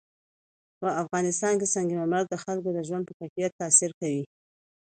په افغانستان کې سنگ مرمر د خلکو د ژوند په کیفیت تاثیر کوي.